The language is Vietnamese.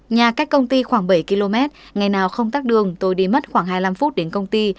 nhà cách công ty khoảng bảy km ngày nào không tắt đường tôi đi mất khoảng hai mươi năm phút đến công ty